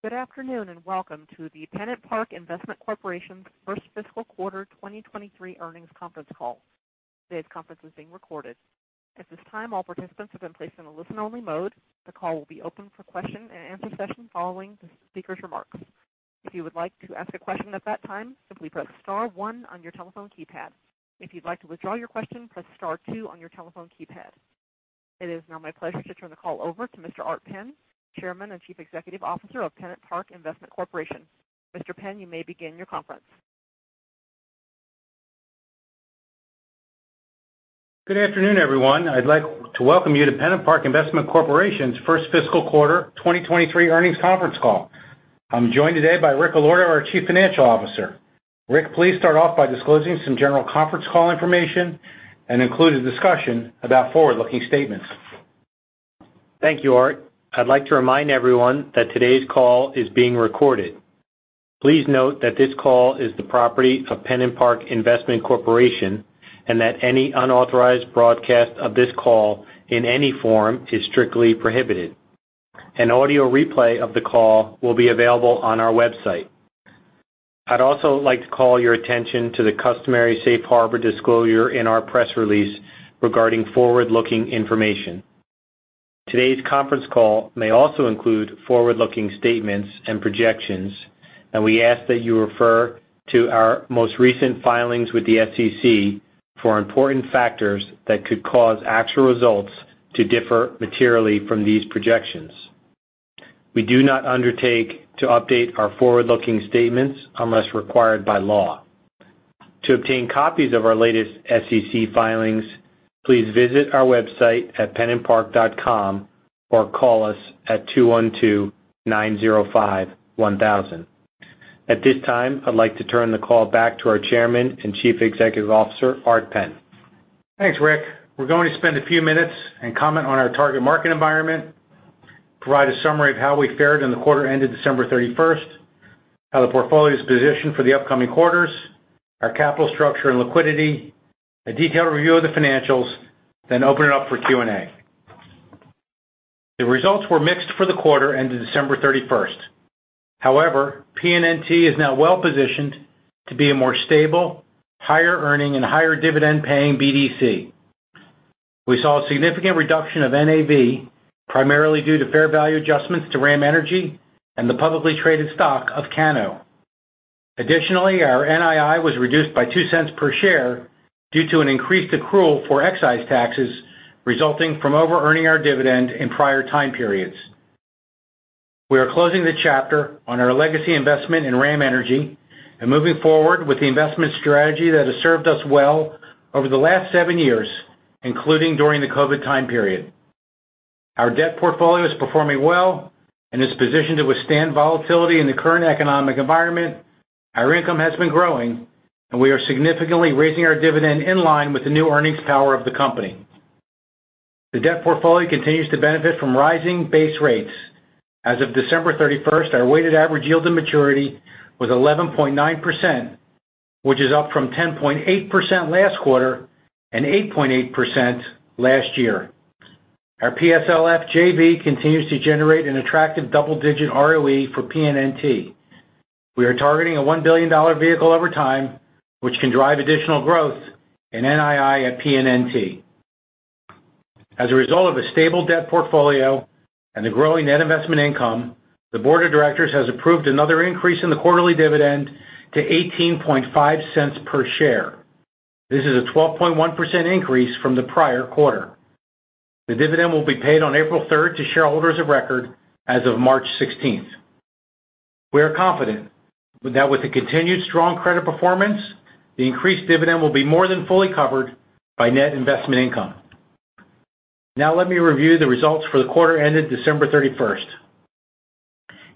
Good afternoon, welcome to the PennantPark Investment Corporation's first fiscal quarter 2023 earnings conference call. Today's conference is being recorded. At this time all participants have been placed in a listen-only mode. The call will be open for question and answer session following the speaker's remarks. If you would like to ask a question at that time, simply press star 1 on your telephone keypad. If you'd like to withdraw your question, press star 2 on your telephone keypad. It is now my pleasure to turn the call over to Mr. Art Penn, Chairman and Chief Executive Officer of PennantPark Investment Corporation. Mr. Penn you may begin your conference. Good afternoon, everyone. I'd like to welcome you to PennantPark Investment Corporation's first fiscal quarter 2023 earnings conference call. I'm joined today by Rick Allorto, our Chief Financial Officer. Rick, please start off by disclosing some general conference call information and include a discussion about forward-looking statements. Thank you, Art. I'd like to remind everyone that today's call is being recorded. Please note that this call is the property of PennantPark Investment Corporation that any unauthorized broadcast of this call in any form is strictly prohibited. An audio replay of the call will be available on our website. I'd also like to call your attention to the customary safe harbor disclosure in our press release regarding forward-looking information. Today's conference call may also include forward-looking statements and projections, we ask that you refer to our most recent filings with the SEC for important factors that could cause actual results to differ materially from these projections. We do not undertake to update our forward-looking statements unless required by law. To obtain copies of our latest SEC filings, please visit our website at pennantpark.com or call us at 212-905-1000. At this time, I'd like to turn the call back to our Chairman and Chief Executive Officer, Art Penn. Thanks, Rick. We're going to spend a few minutes and comment on our target market environment, provide a summary of how we fared in the quarter ended December 31st how the portfolio is positioned for the upcoming quarters, our capital structure and liquidity, a detailed review of the financials open it up for Q&A. The results were mixed for the quarter ended December 31st. PNNT is now well-positioned to be a more stable higher earning, and higher dividend-paying BDC. We saw a significant reduction of NAV, primarily due to fair value adjustments to RAM Energy and the publicly traded stock of Cano. Additionally, our NII was reduced by $0.02 per share due to an increased accrual for excise taxes resulting from overearning our dividend in prior time periods. We are closing the chapter on our legacy investment in RAM Energy and moving forward with the investment strategy that has served us well over the last seven years including during the COVID time period. Our debt portfolio is performing well and is positioned to withstand volatility in the current economic environment. Our income has been growing, and we are significantly raising our dividend in line with the new earnings power of the company. The debt portfolio continues to benefit from rising base rates. As of December 31st our weighted average yield to maturity was 11.9%, which is up from 10.8% last quarter and 8.8% last year. Our PSLF JV continues to generate an attractive double-digit ROE for PNNT. We are targeting a $1 billion vehicle over time which can drive additional growth in NII at PNNT. As a result of a stable debt portfolio and the growing net investment income, the board of directors has approved another increase in the quarterly dividend to $0.185 per share. This is a 12.1% increase from the prior quarter. The dividend will be paid on April 3rd to shareholders of record as of March 16th. We are confident that with the continued strong credit performance, the increased dividend will be more than fully covered by net investment income. Now let me review the results for the quarter ended December 31st.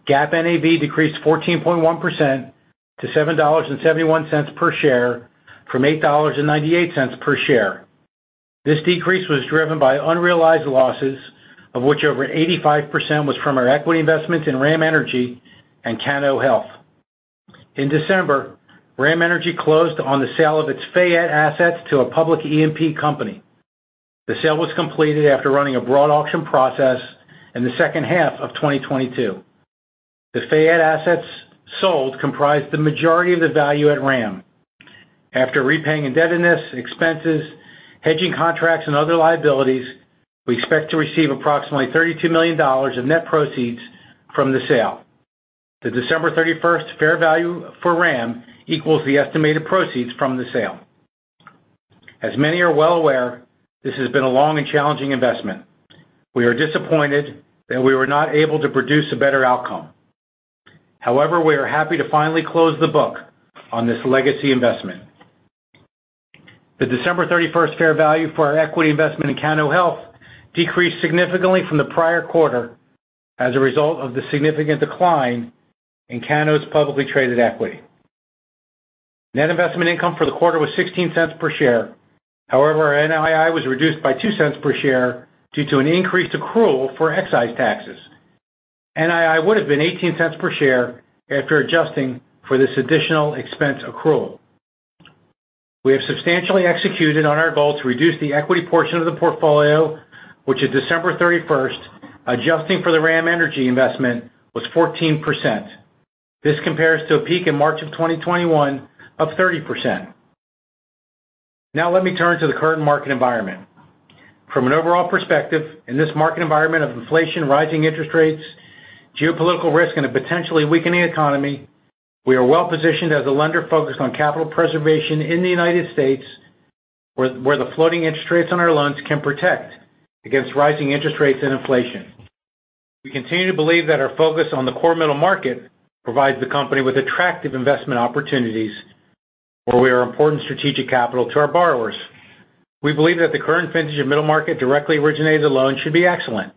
GAAP NAV decreased 14.1% to $7.71 per share from $8.98 per share. This decrease was driven by unrealized losses of which over 85% was from our equity investments in RAM Energy and Cano Health. In December, RAM Energy closed on the sale of its Fayette assets to a public E&P company. The sale was completed after running a broad auction process in the H2 of 2022. The Fayette assets sold comprised the majority of the value at RAM. After repaying indebtedness, expenses hedging contracts, and other liabilities, we expect to receive approximately $32 million of net proceeds from the sale. The December 31st fair value for RAM equals the estimated proceeds from the sale. As many are well aware, this has been a long and challenging investment. We are disappointed that we were not able to produce a better outcome. We are happy to finally close the book on this legacy investment. The December 31st fair value for our equity investment in Cano Health decreased significantly from the prior quarter as a result of the significant decline in Cano's publicly traded equity. Net investment income for the quarter was $0.16 per share. Our NII was reduced by $0.02 per share due to an increased accrual for excise taxes. NII would have been $0.18 per share after adjusting for this additional expense accrual. We have substantially executed on our goal to reduce the equity portion of the portfolio, which at December 31st adjusting for the RAM Energy investment, was 14%. This compares to a peak in March 2021 of 30%. Let me turn to the current market environment. From an overall perspective, in this market environment of inflation rising interest rates, geopolitical risk, and a potentially weakening economy, we are well-positioned as a lender focused on capital preservation in the United States, where the floating interest rates on our loans can protect against rising interest rates and inflation. We continue to believe that our focus on the core middle market provides the company with attractive investment opportunities where we are important strategic capital to our borrowers. We believe that the current vintage of middle market directly originated loans should be excellent.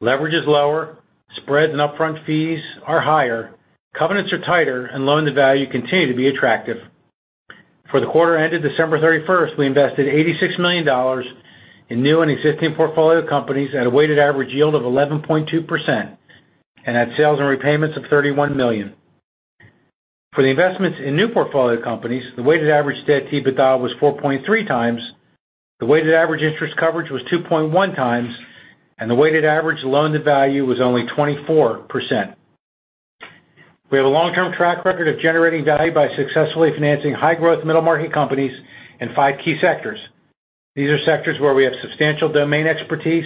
Leverage is lower, spreads and upfront fees are higher covenants are tighter, and loan to value continue to be attractive. For the quarter ended December 31st, we invested $86 million in new and existing portfolio companies at a weighted average yield of 11.2% and had sales and repayments of $31 million. For the investments in new portfolio companies the weighted average debt to EBITDA was 4.3x, the weighted average interest coverage was 2.1x, and the weighted average loan to value was only 24%. We have a long-term track record of generating value by successfully financing high-growth middle-market companies in five key sectors. These are sectors where we have substantial domain expertise,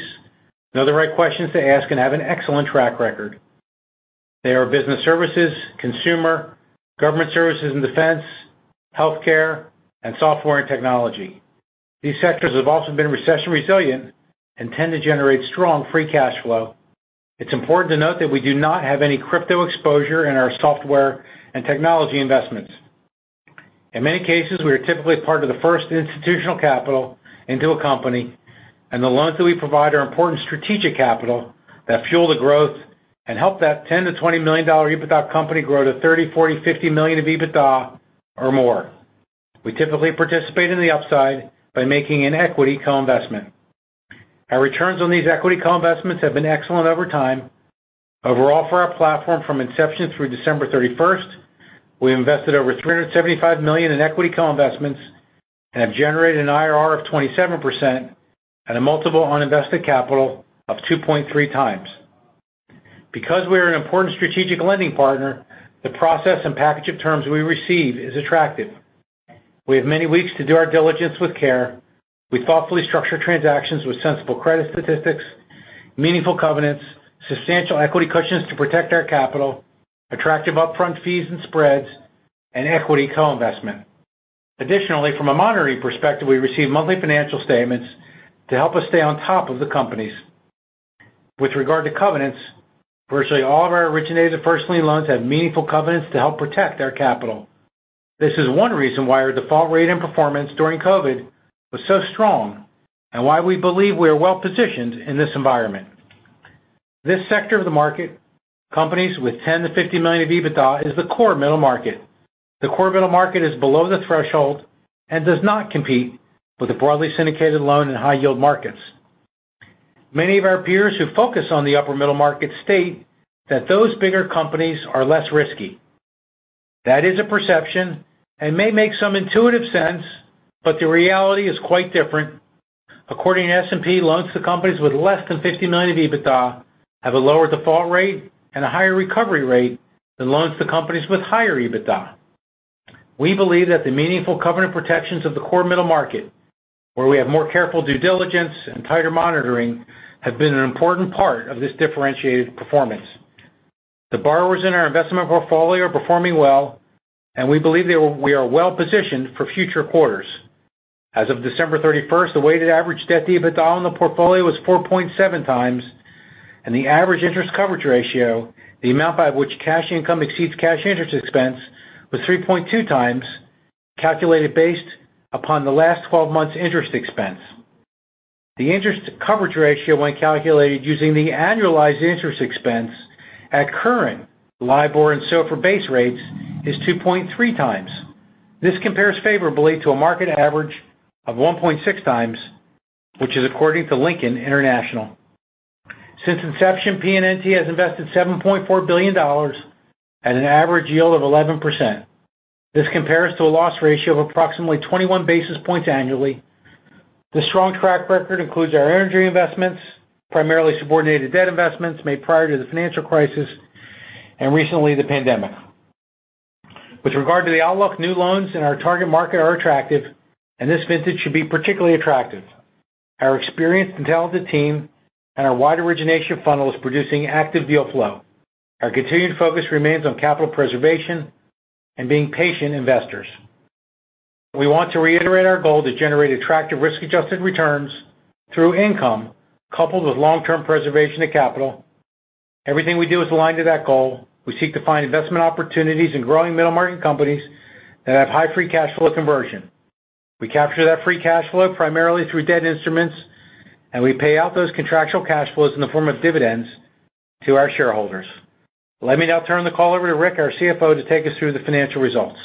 know the right questions to ask, and have an excellent track record. They are business services, consumer, government services and defense, healthcare, and software and technology. These sectors have also been recession resilient and tend to generate strong free cash flow. It's important to note that we do not have any crypto exposure in our software and technology investments. In many cases, we are typically part of the first institutional capital into a company, and the loans that we provide are important strategic capital that fuel the growth and help that $10 million-$20 million EBITDA company grow to $30 million, $40 million, $50 million of EBITDA or more. We typically participate in the upside by making an equity co-investment. Our returns on these equity co-investments have been excellent over time. Overall, for our platform from inception through December 31st, we invested over $375 million in equity co-investments and have generated an IRR of 27% and a multiple on invested capital of 2.3 times. Because we are an important strategic lending partner, the process and package of terms we receive is attractive. We have many weeks to do our diligence with care. We thoughtfully structure transactions with sensible credit statistics, meaningful covenants, substantial equity cushions to protect our capital, attractive upfront fees and spreads, and equity co-investment. Additionally, from a monitoring perspective, we receive monthly financial statements to help us stay on top of the companies. With regard to covenants, virtually all of our originated first lien loans have meaningful covenants to help protect our capital. This is one reason why our default rate and performance during COVID was so strong and why we believe we are well-positioned in this environment. This sector of the market, companies with $10 million-$50 million of EBITDA, is the core middle market. The core middle market is below the threshold and does not compete with the broadly syndicated loan and high yield markets. Many of our peers who focus on the upper middle market state that those bigger companies are less risky. That is a perception and may make some intuitive sense, but the reality is quite different. According to S&P, loans to companies with less than $50 million of EBITDA have a lower default rate and a higher recovery rate than loans to companies with higher EBITDA. We believe that the meaningful covenant protections of the core middle market, where we have more careful due diligence and tighter monitoring, have been an important part of this differentiated performance. The borrowers in our investment portfolio are performing well, and we believe we are well-positioned for future quarters. As of December 31st, the weighted average debt to EBITDA in the portfolio was 4.7 times, and the average interest coverage ratio, the amount by which cash income exceeds cash interest expense, was 3.2 times, calculated based upon the last 12 months interest expense. The interest coverage ratio, when calculated using the annualized interest expense at current LIBOR and SOFR base rates, is 2.3 times. This compares favorably to a market average of 1.6 times, which is according to Lincoln International. Since inception, PNNT has invested $7.4 billion at an average yield of 11%. This compares to a loss ratio of approximately 21 basis points annually. The strong track record includes our energy investments, primarily subordinated debt investments made prior to the financial crisis, and recently, the pandemic. With regard to the outlook, new loans in our target market are attractive, and this vintage should be particularly attractive. Our experienced and talented team and our wide origination funnel is producing active deal flow. Our continued focus remains on capital preservation and being patient investors. We want to reiterate our goal to generate attractive risk-adjusted returns through income coupled with long-term preservation of capital. Everything we do is aligned to that goal. We seek to find investment opportunities in growing middle market companies that have high free cash flow conversion. We capture that free cash flow primarily through debt instruments, and we pay out those contractual cash flows in the form of dividends to our shareholders. Let me now turn the call over to Rick, our CFO, to take us through the financial results.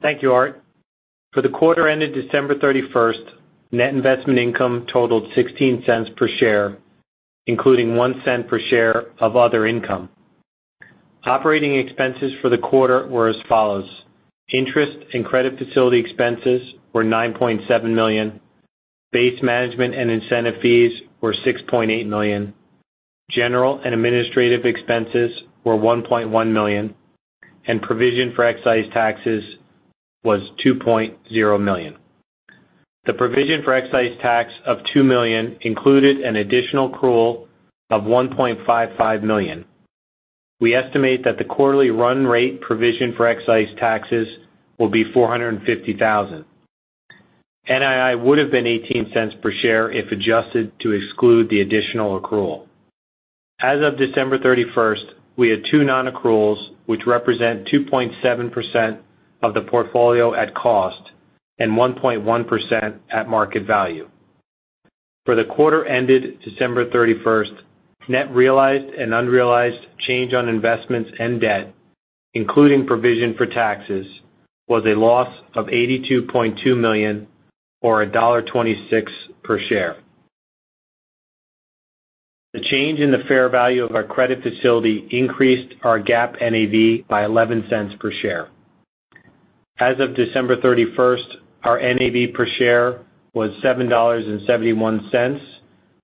Thank you, Art. For the quarter ended December 31st, net investment income totaled $0.16 per share, including $0.01 per share of other income. Operating expenses for the quarter were as follows: Interest and credit facility expenses were $9.7 million. Base management and incentive fees were $6.8 million. General and administrative expenses were $1.1 million, and provision for excise taxes was $2.0 million. The provision for excise tax of $2 million included an additional accrual of $1.55 million. We estimate that the quarterly run rate provision for excise taxes will be $450,000. NII would have been $0.18 per share if adjusted to exclude the additional accrual. As of December 31st, we had two non-accruals which represent 2.7% of the portfolio at cost and 1.1% at market value. For the quarter ended December 31st, net realized and unrealized change on investments and debt, including provision for taxes, was a loss of $82.2 million or $1.26 per share. The change in the fair value of our credit facility increased our GAAP NAV by $0.11 per share. As of December 31st, our NAV per share was $7.71,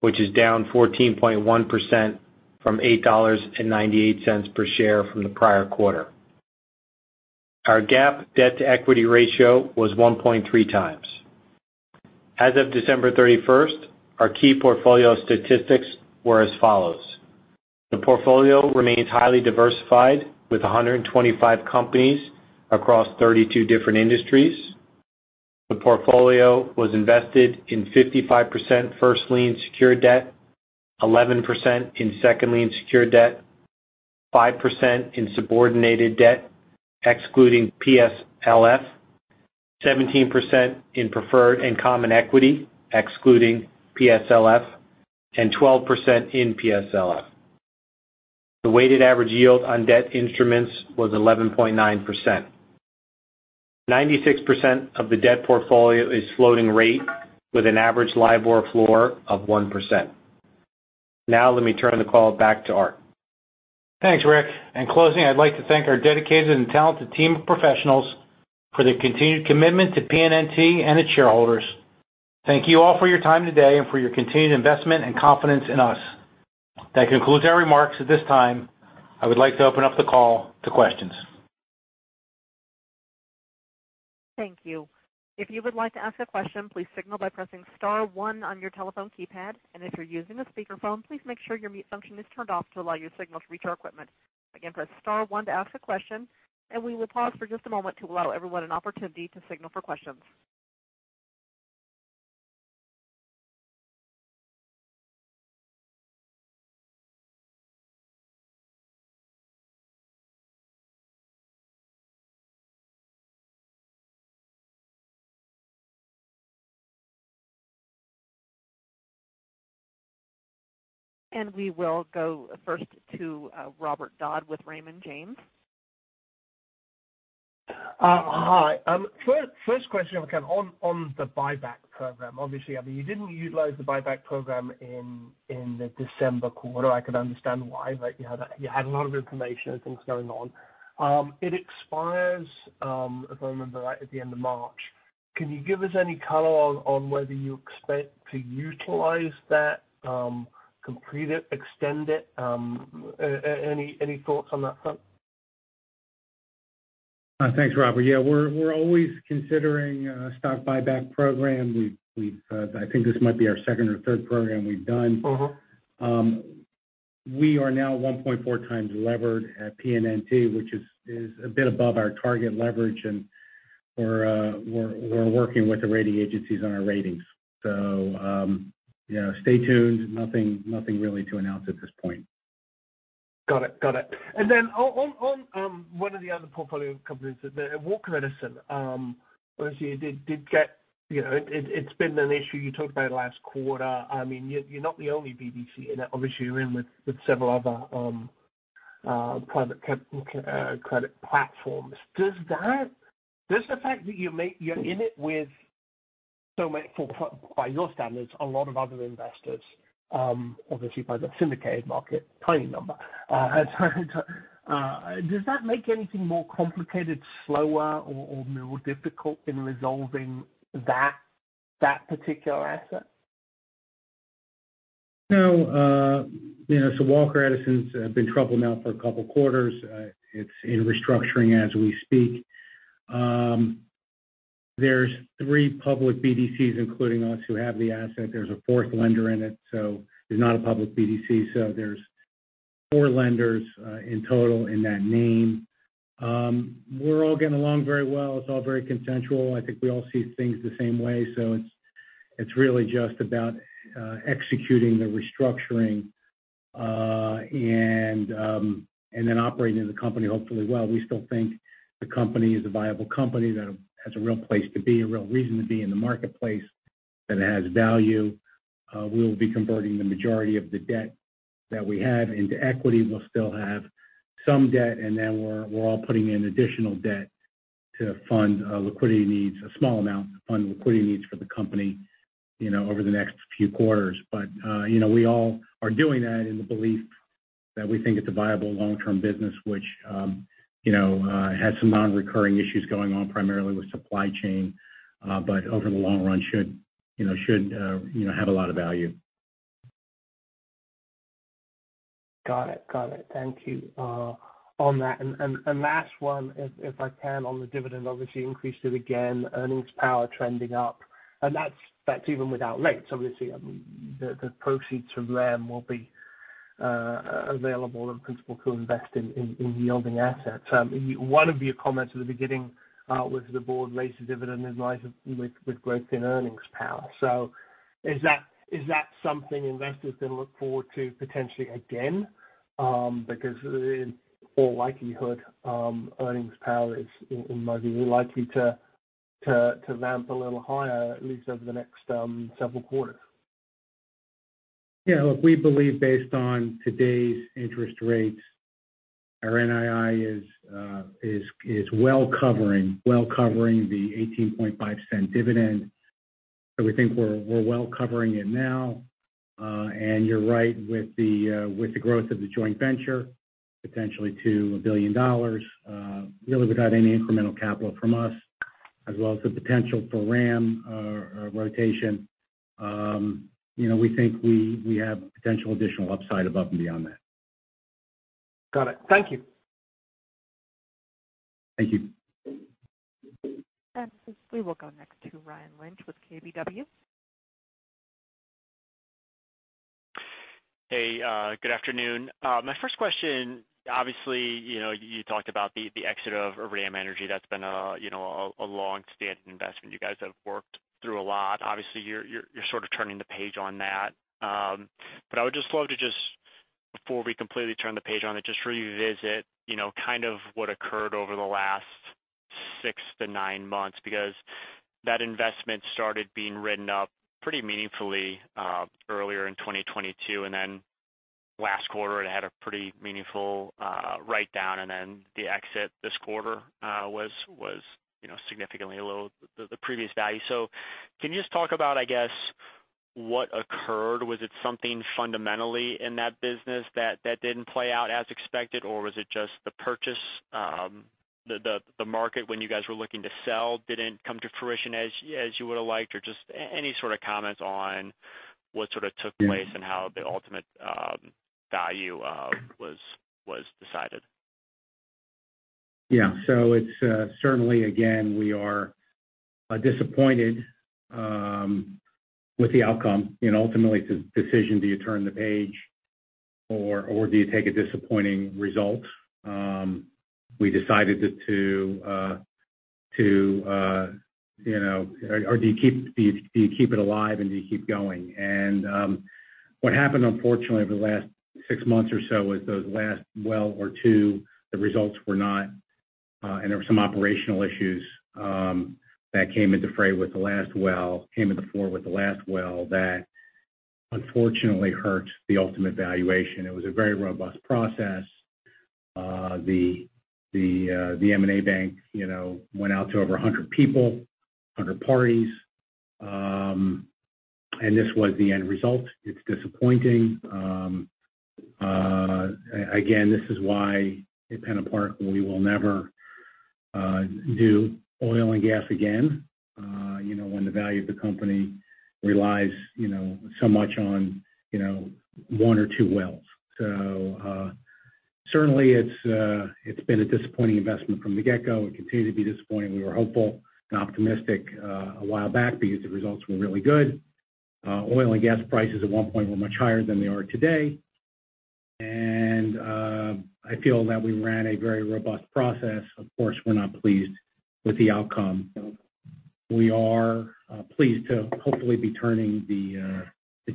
which is down 14.1% from $8.98 per share from the prior quarter. Our GAAP debt to equity ratio was 1.3 times. As of December 31st, our key portfolio statistics were as follows: The portfolio remains highly diversified with 125 companies across 32 different industries. The portfolio was invested in 55% first lien secured debt, 11% in second lien secured debt, 5% in subordinated debt excluding PSLF, 17% in preferred and common equity excluding PSLF, and 12% in PSLF. The weighted average yield on debt instruments was 11.9%. 96% of the debt portfolio is floating rate with an average LIBOR floor of 1%. Now let me turn the call back to Art. Thanks, Rick. In closing, I'd like to thank our dedicated and talented team of professionals for their continued commitment to PNNT and its shareholders. Thank you all for your time today and for your continued investment and confidence in us. That concludes our remarks at this time. I would like to open up the call to questions. Thank you. If you would like to ask a question, please signal by pressing star one on your telephone keypad. If you're using a speakerphone, please make sure your mute function is turned off to allow your signal to reach our equipment. Again, press star one to ask a question, we will pause for just a moment to allow everyone an opportunity to signal for questions. We will go first to Robert Dodd with Raymond James. Hi. First question, Ken, on the buyback program. Obviously, I mean, you didn't utilize the buyback program in the December quarter. I could understand why, but you had a lot of information and things going on. It expires, if I remember right, at the end of March. Can you give us any color on whether you expect to utilize that, complete it, extend it, any thoughts on that front? Thanks, Robert. Yeah, we're always considering, stock buyback program. We've, I think this might be our second or third program we've done. Mm-hmm. We are now 1.4 times levered at PNNT, which is a bit above our target leverage. We're working with the rating agencies on our ratings stay tuned. Nothing, nothing really to announce at this point. Got it. Got it. On, on, one of the other portfolio companies, the Walker Edison, obviously it did get it's been an issue you talked about last quarter. I mean, you're not the only BDC in it. Obviously, you're in with several other private cap credit platforms. Does the fact that you're in it with so much, or by your standards, a lot of other investors, obviously by the syndicated market, tiny number, does that make anything more complicated, slower, or more difficult in resolving that particular asset? no Walker Edison's been troubled now for a couple quarters. It's in restructuring as we speak. There's three public BDCs, including us, who have the asset. There's a fourth lender in it, so there's not a public BDC. There's four lenders in total in that name. We're all getting along very well. It's all very consensual. I think we all see things the same way. It's, it's really just about executing the restructuring and then operating the company hopefully well. We still think the company is a viable company that has a real place to be, a real reason to be in the marketplace, that it has value. We'll be converting the majority of the debt that we have into equity. We'll still have some debt. We're all putting in additional debt to fund liquidity needs, a small amount to fund liquidity needs for the company over the next few quarters we all are doing that in the belief that we think it's a viable long-term business which had some non-recurring issues going on primarily with supply chain. Over the long run should have a lot of value. Got it. Got it. Thank you on that. Last one if I can on the dividend, obviously increased it again, earnings power trending up. That's even without rates, obviously. The proceeds from RAM will be available and principle to invest in yielding assets. One of your comments at the beginning was the board raised the dividend in light of with growth in earnings power. Is that something investors can look forward to potentially again? Because in all likelihood, earnings power is in most likely to ramp a little higher, at least over the next several quarters. Look, we believe based on today's interest rates, our NII is well covering the $0.185 dividend. We think we're well covering it now. You're right, with the growth of the joint venture, potentially to $1 billion, really without any incremental capital from us, as well as the potential for RAM or rotation we think we have potential additional upside above and beyond that. Got it. Thank you. Thank you. We will go next to Ryan Lynch with KBW. Hey, good afternoon. My first question, obviously you talked about the exit of RAM Energy. That's been a a long-standing investment. You guys have worked through a lot. Obviously, you're, you're sort of turning the page on that. I would just love to just before we completely turn the page on it, just revisit kind of what occurred over the last six-nine months. That investment started being written up pretty meaningfully earlier in 2022, and then last quarter it had a pretty meaningful write down. The exit this quarter was significantly low the previous value. Can you just talk about, I guess, what occurred? Was it something fundamentally in that business that didn't play out as expected? Was it just the purchase, the market when you guys were looking to sell didn't come to fruition as you would've liked? Or just any sort of comments on what sort of took place? Yeah. how the ultimate value was decided. Yeah. It's certainly again, we are disappointed with the outcome ultimately it's a decision, do you turn the page or do you take a disappointing result? We decided to. Or do you keep it alive and do you keep going? What happened unfortunately over the last six months or so was those last well or two, the results were not, and there were some operational issues that came into fore with the last well that unfortunately hurt the ultimate valuation. It was a very robust process. The M&A bank went out to over 100 people, 100 parties, this was the end result. It's disappointing. Again, this is why at PennantPark we will never do oil and gas again when the value of the company relies so much on one or two wells. Certainly it's been a disappointing investment from the get-go. It continued to be disappointing. We were hopeful and optimistic a while back because the results were really good. Oil and gas prices at 1 point were much higher than they are today. I feel that we ran a very robust process. Of course, we're not pleased with the outcome. We are pleased to hopefully be turning the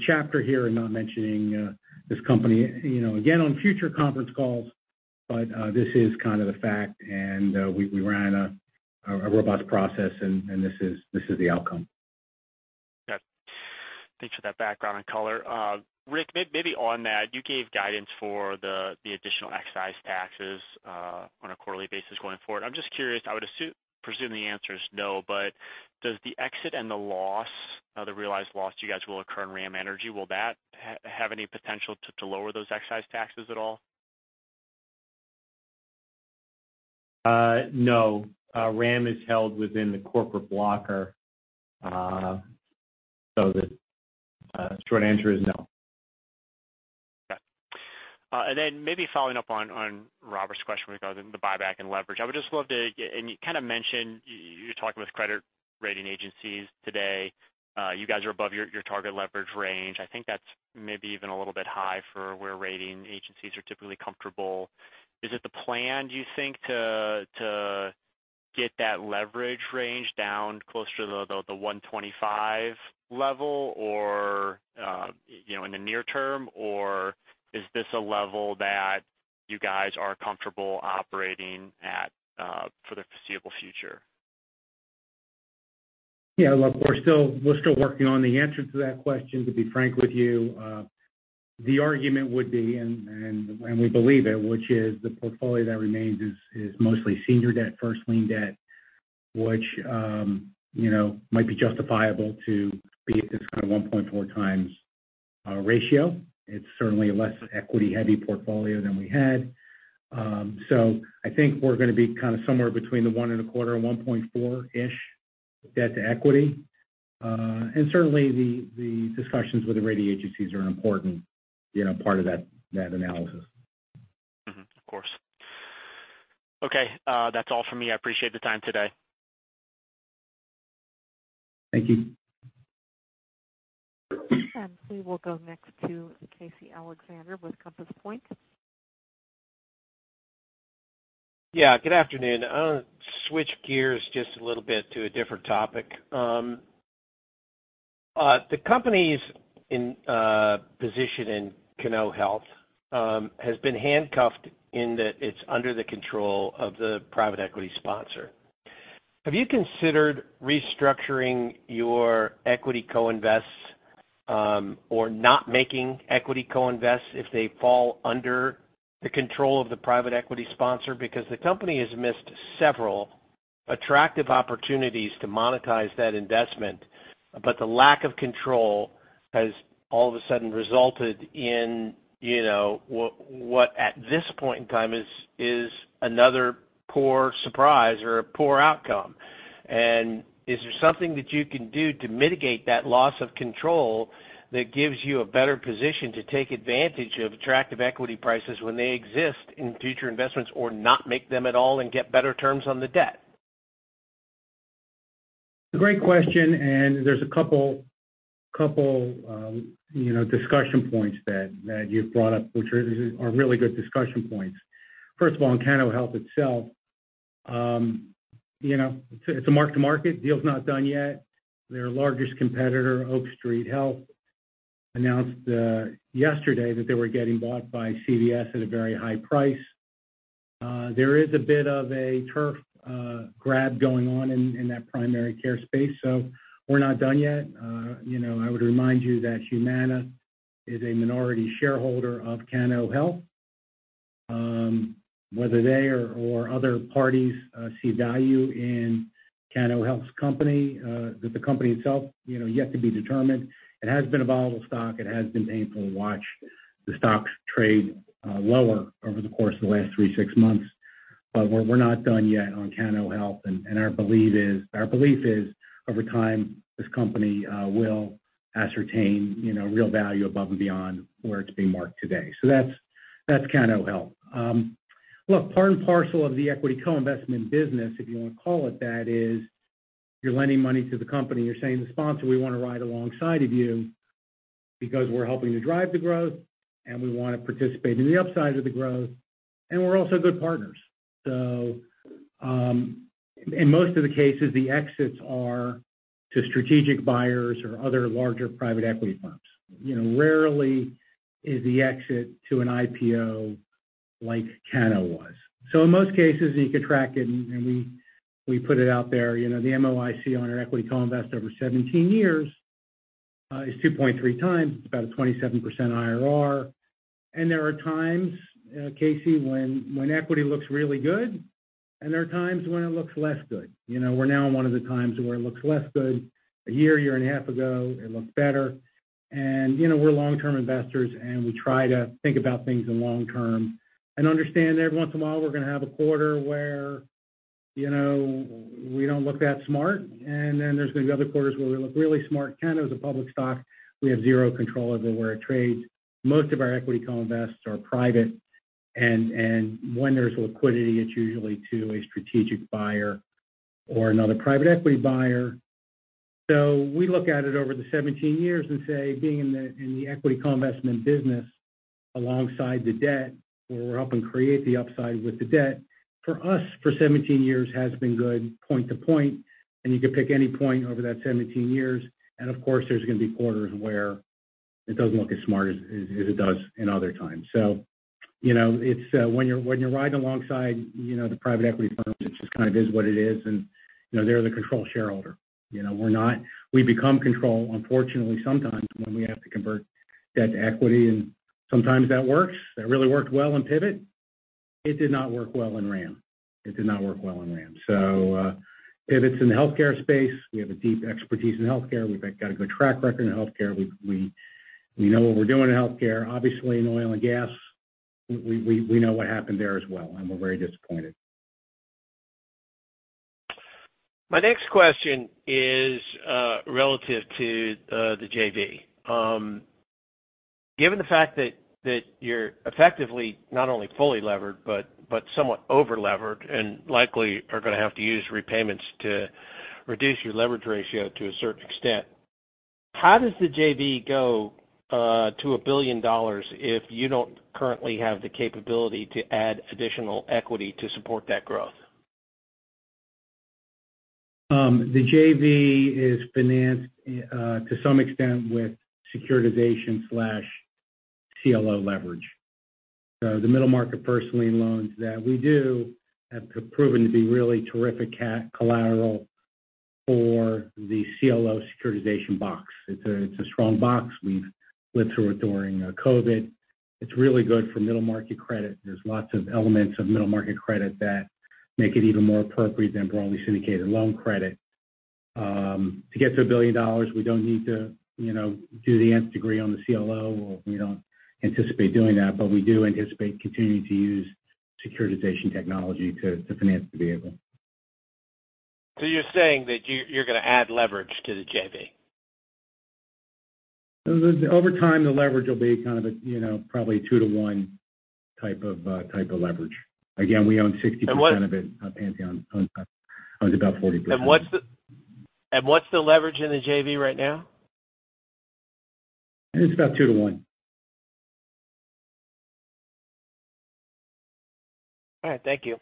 chapter here and not mentioning this company again on future conference calls. This is kind of the fact and, we ran a robust process and this is the outcome. Yeah. Thanks for that background and color. Rick, maybe on that, you gave guidance for the additional excise taxes on a quarterly basis going forward. I'm just curious, I would presume the answer is no, but does the exit and the loss, the realized loss you guys will occur in RAM Energy, will that have any potential to lower those excise taxes at all? No. RAM is held within the corporate blocker. The short answer is no. Okay. Then maybe following up on Robert's question regarding the buyback and leverage. I would just love to. You kind of mentioned you're talking with credit rating agencies today. You guys are above your target leverage range. I think that's maybe even a little bit high for where rating agencies are typically comfortable. Is it the plan, do you think, to get that leverage range down closer to the 125 level or in the near term? Is this a level that you guys are comfortable operating at for the foreseeable future? Yeah, look, we're still working on the answer to that question, to be frank with you. The argument would be and we believe it, which is the portfolio that remains is mostly senior debt, first lien debt, which might be justifiable to be at this kind of 1.4 times ratio. It's certainly a less equity heavy portfolio than we had. I think we're gonna be kind of somewhere between the 1.25 and 1.4-ish debt to equity. Certainly the discussions with the rating agencies are an important part of that analysis. Mm-hmm. Of course. Okay, that's all for me. I appreciate the time today. Thank you. We will go next to Casey Alexander with Compass Point. Yeah, good afternoon. I want to switch gears just a little bit to a different topic. The company's in position in Cano Health has been handcuffed in that it's under the control of the private equity sponsor. Have you considered restructuring your equity co-invest, or not making equity co-invest if they fall under the control of the private equity sponsor? The company has missed several attractive opportunities to monetize that investment. The lack of control has all of a sudden resulted in what at this point in time is another poor surprise or a poor outcome. Is there something that you can do to mitigate that loss of control that gives you a better position to take advantage of attractive equity prices when they exist in future investments or not make them at all and get better terms on the debt? Great question. There's a couple discussion points that you've brought up, which are really good discussion points. First of all, in Cano Health itself it's a mark to market. Deal's not done yet. Their largest competitor, Oak Street Health, announced yesterday that they were getting bought by CVS at a very high price. There is a bit of a turf grab going on in that primary care space, so we're not done yet I would remind you that Humana is a minority shareholder of Cano Health. Whether they or other parties see value in Cano Health's company, that the company itself yet to be determined. It has been a volatile stock. It has been painful to watch the stocks trade lower over the course of the last three, six months. We're not done yet on Cano Health. Our belief is over time this company will ascertain real value above and beyond where it's being marked today. That's Cano Health. Look, part and parcel of the equity co-investment business, if you wanna call it that, is you're lending money to the company. You're saying to the sponsor, we wanna ride alongside of you because we're helping you drive the growth, and we wanna participate in the upside of the growth, and we're also good partners. In most of the cases, the exits are to strategic buyers or other larger private equity firms rarely is the exit to an IPO like Cano was. In most cases, you could track it, and we put it out there the MOIC on our equity co-invest over 17 years is 2.3x. It's about a 27% IRR. There are times, Casey, when equity looks really good and there are times when it looks less good we're now in one of the times where it looks less good. A year and a half ago, it looked better we're long-term investors, and we try to think about things in long term. Understand every once in a while we're gonna have a quarter where we don't look that smart, and then there's gonna be other quarters where we look really smart. Cano is a public stock. We have 0 control over where it trades. Most of our equity co-invests are private. When there's liquidity, it's usually to a strategic buyer or another private equity buyer. We look at it over the 17 years and say, being in the, in the equity co-investment business alongside the debt, where we're helping create the upside with the debt, for us, for 17 years has been good point to point, and you could pick any point over that 17 years. Of course, there's gonna be quarters where it doesn't look as smart as it does in other times it's when you're, when you're riding alongside the private equity firms, it just kind of is what it is they're the control shareholder. We're not. We become control unfortunately sometimes when we have to convert debt to equity. Sometimes that works. That really worked well in Pivot. It did not work well in RAM. It did not work well in RAM. If it's in the healthcare space, we have a deep expertise in healthcare. We've got a good track record in healthcare. We know what we're doing in healthcare. Obviously in oil and gas, we know what happened there as well, and we're very disappointed. My next question is relative to the JV. Given the fact that you're effectively not only fully levered but somewhat over-levered and likely are gonna have to use repayments to reduce your leverage ratio to a certain extent, how does the JV go to $1 billion if you don't currently have the capability to add additional equity to support that growth? The JV is financed to some extent with securitization/CLO leverage. The middle market first lien loans that we do have proven to be really terrific collateral for the CLO securitization box. It's a strong box. We've lived through it during COVID. It's really good for middle market credit. There's lots of elements of middle market credit that make it even more appropriate than broadly syndicated loan credit. To get to $1 billion, we don't need to do the nth degree on the CLO, or we don't anticipate doing that. We do anticipate continuing to use securitization technology to finance the vehicle. You're saying that you're gonna add leverage to the JV? Over time, the leverage will be kind of a probably 2 to 1 type of leverage. Again, we own 60% of it. And what- Pantheon owns about 40%. What's the leverage in the JV right now? It's about 2/1. All right, thank you.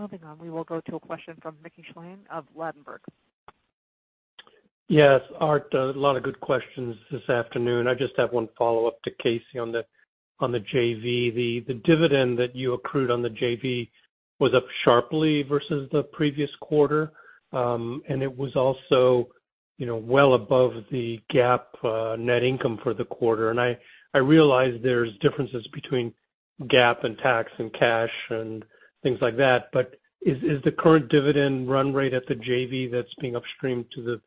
Moving on, we will go to a question from Mickey Schleien of Ladenburg Thalmann. Yes. Art, a lot of good questions this afternoon. I just have one follow-up to Casey on the JV. The dividend that you accrued on the JV was up sharply versus the previous quarter. It was also well above the GAAP net income for the quarter. I realize there's differences between GAAP and tax and cash and things like that, but is the current dividend run rate at the JV that's being upstreamed to the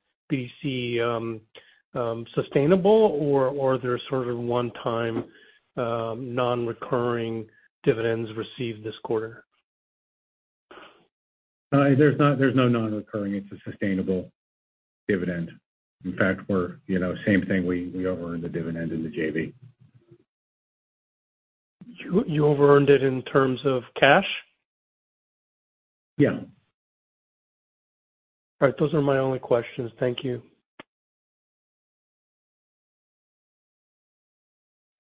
BDC sustainable, or are there sort of one-time non-recurring dividends received this quarter? There's no non-recurring. It's a sustainable dividend. In fact same thing. We overearned the dividend in the JV. You overearned it in terms of cash? Yeah. All right. Those are my only questions. Thank you.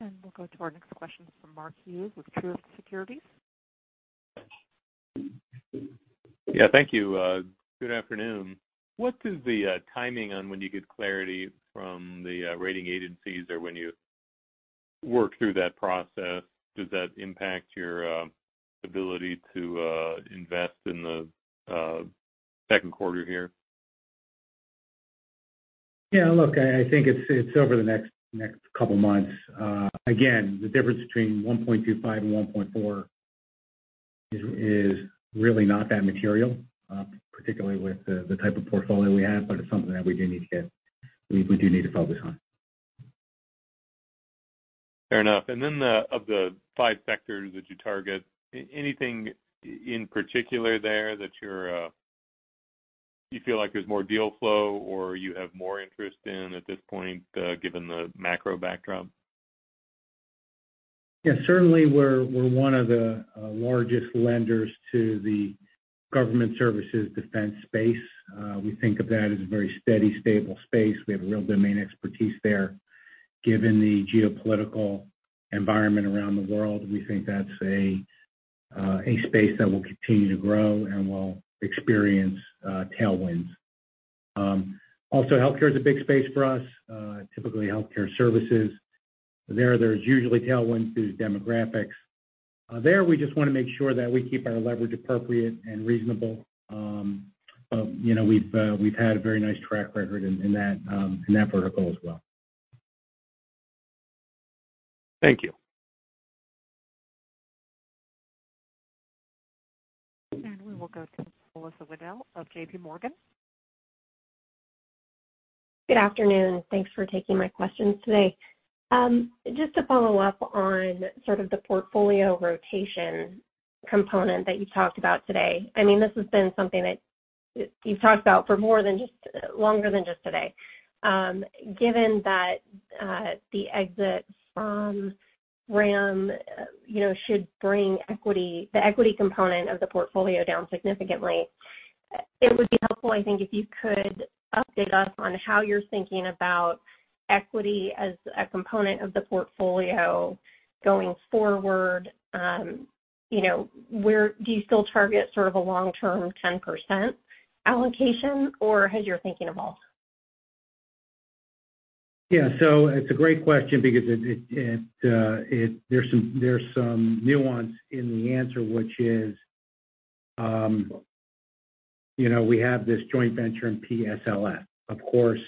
We'll go to our next question from Mike Ramirez with Truist Securities. Yeah, thank you. good afternoon. What is the timing on when you get clarity from the rating agencies or when you work through that process? Does that impact your ability to invest in the Q2 here? Yeah, look, I think it's over the next couple months. again, the difference between 1.25 and 1.4 is really not that material, particularly with the type of portfolio we have, but it's something that we do need to focus on. Fair enough. Of the five sectors that you target, anything in particular there that you're, you feel like there's more deal flow or you have more interest in at this point, given the macro backdrop? Certainly, we're one of the largest lenders to the government services defense space. We think of that as a very steady, stable space. We have real domain expertise there. Given the geopolitical environment around the world, we think that's a space that will continue to grow and will experience tailwinds. Healthcare is a big space for us, typically healthcare services. There's usually tailwind through demographics. There, we just wanna make sure that we keep our leverage appropriate and reasonable we've had a very nice track record in that vertical as well. Thank you. We will go to Melissa Wedel of JPMorgan. Good afternoon. Thanks for taking my questions today. Just to follow up on sort of the portfolio rotation component that you talked about today. I mean, this has been something that you've talked about for longer than just today. Given that, the exit from ram should bring the equity component of the portfolio down significantly, it would be helpful, I think, if you could update us on how you're thinking about equity as a component of the portfolio going forward do you still target sort of a long-term 10% allocation, or has your thinking evolved? Yeah. It's a great question because there's some nuance in the answer, which is we have this joint venture in PSLF. Of course,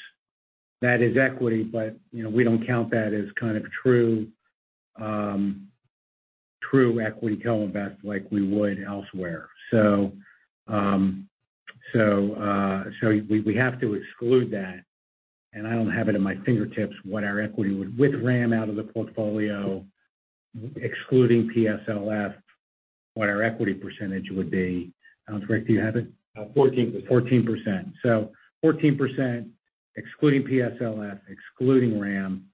that is equity, but we don't count that as kind of true true equity co-invest like we would elsewhere. We have to exclude that. I don't have it in my fingertips what our equity would, with RAM out of the portfolio, excluding PSLF, what our equity % would be. Sounds right. Do you have it? 14%. 14%. 14% excluding PSLF, excluding RAM.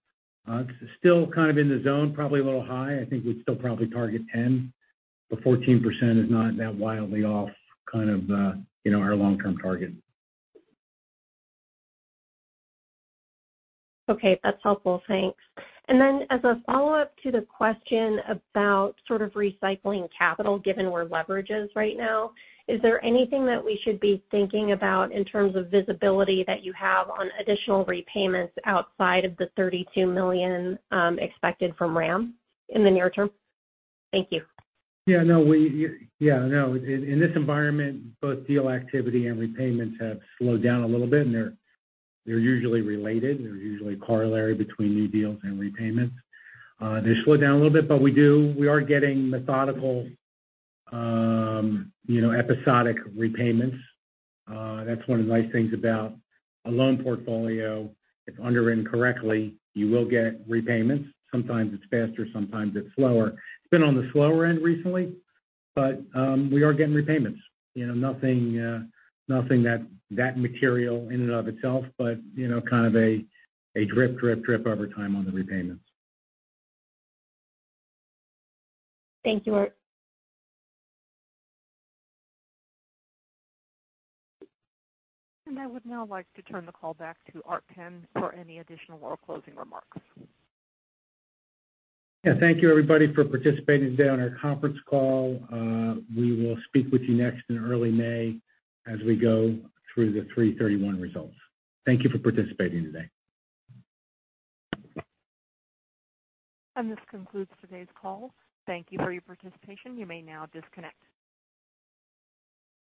It's still kind of in the zone, probably a little high. I think we'd still probably target 10. 14% is not that wildly off kind of our long-term target. Okay. That's helpful. Thanks. As a follow-up to the question about sort of recycling capital, given where leverage is right now, is there anything that we should be thinking about in terms of visibility that you have on additional repayments outside of the $32 million expected from RAM in the near term? Thank you. Yeah. No. In this environment, both deal activity and repayments have slowed down a little bit, and they're usually related. They're usually corollary between new deals and repayments. They slowed down a little bit, but we are getting methodical episodic repayments. That's one of the nice things about a loan portfolio. If underwritten correctly, you will get repayments. Sometimes it's faster, sometimes it's slower. It's been on the slower end recently, but we are getting repayments nothing that material in and of itself, but kind of a drip, drip over time on the repayments. Thank you, Art. I would now like to turn the call back to Art Penn for any additional or closing remarks. Yeah. Thank you, everybody, for participating today on our conference call. We will speak with you next in early May as we go through the 3/31 results. Thank you for participating today. This concludes today's call. Thank you for your participation. You may now disconnect.